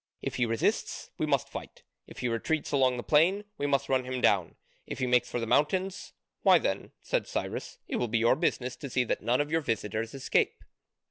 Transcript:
If he resists, we must fight, if he retreats along the plain we must run him down, if he makes for the mountains, why then," said Cyrus, "it will be your business to see that none of your visitors escape.